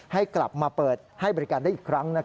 ให้กลับมาเปิดให้บริการได้อีกครั้ง